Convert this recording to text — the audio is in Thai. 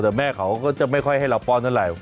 แต่แม่เขาก็จะไม่ค่อยให้เราป้อนเท่าไหร่